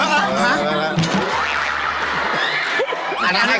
อะไรละแกกของบ้านเค้า